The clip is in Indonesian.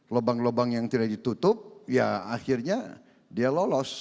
lubang lubang yang tidak ditutup ya akhirnya dia lolos